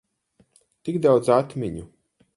Tik daudz atmiņu.